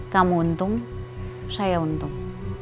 kamu untung saya untung